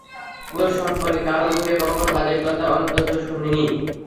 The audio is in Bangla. ওর সম্পর্কে কারো মুখে কখনও বাজে কথা অন্তত শুনিনি।